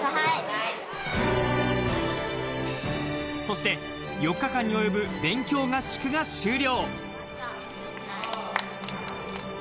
そして４日間に及ぶ勉強合宿が終了。